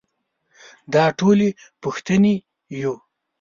دا ټولې پوښتنې يو.